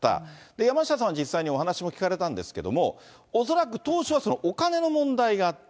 山下さんは実際にお話も聞かれたんですけれども、恐らく、当初はお金の問題があった。